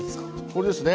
これですね